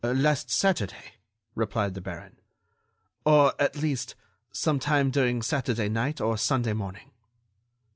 "Last Saturday," replied the baron, "or, at least, some time during Saturday night or Sunday morning."